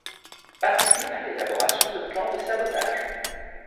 Participe à l’élaboration de plans de sabotage.